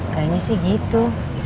kayaknya sih gitu